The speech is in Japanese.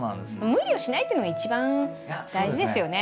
無理をしないっていうのが一番大事ですよね。